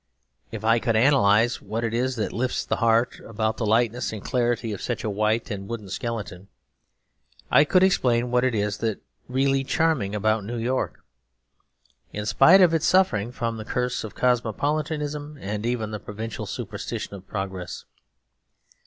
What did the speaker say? If I could analyse what it is that lifts the heart about the lightness and clarity of such a white and wooden skeleton, I could explain what it is that is really charming about New York; in spite of its suffering from the curse of cosmopolitanism and even the provincial superstition of progress.